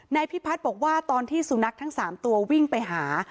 นายพิพัฒน์บอกว่าตอนที่สุนัขทั้ง๓ตัววิ่งไปหา